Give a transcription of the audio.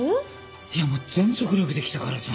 いやもう全速力で来たからさ。